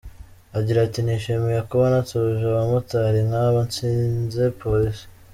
Agira ati “Nishimye kuba natoje abamotari nkaba nsinze Polisi.